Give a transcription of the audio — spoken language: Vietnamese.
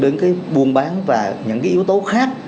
đến cái buôn bán và những cái yếu tố khác